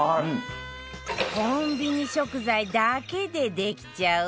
コンビニ食材だけでできちゃう